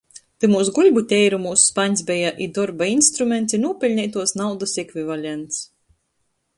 Tymūs guļbu teirumūs spaņs beja i dorba instruments, i nūpeļneituos naudys ekvivalents.